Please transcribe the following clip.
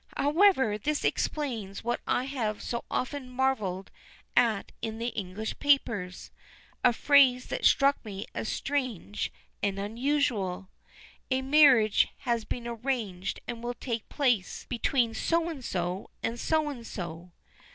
However, this explains what I have so often marvelled at in the English papers; a phrase that struck me as strange and unusual: 'A marriage has been arranged and will take place between So and So and So and So.